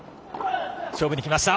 勝負にきました。